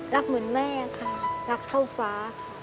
รักเหมือนแม่ค่ะรักเท่าฟ้าค่ะ